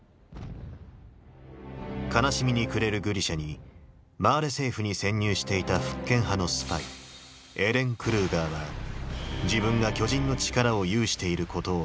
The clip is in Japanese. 悲しみに暮れるグリシャにマーレ政府に潜入していた復権派のスパイエレン・クルーガーは自分が巨人の力を有していることを明かす。